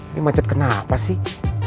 ini macet kenapa sih